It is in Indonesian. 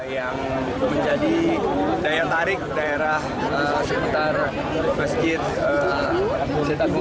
yang menjadi daya tarik daerah sekitar masjid masjid al akbar ini